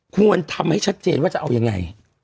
ควรทำให้ชัดเจนว่าจะเอายังไง